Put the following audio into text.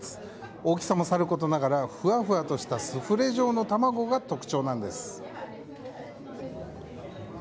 大きさもさることながらふわふわとしたスフレ状の卵が特徴なんです。